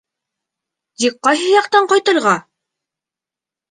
Тик ҡайһы яҡтан ҡайтырға?